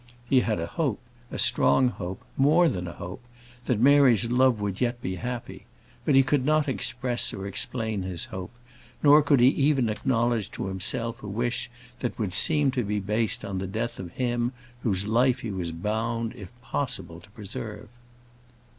He had a hope, a strong hope, more than a hope, that Mary's love would yet be happy; but he could not express or explain his hope; nor could he even acknowledge to himself a wish that would seem to be based on the death of him whose life he was bound, if possible, to preserve.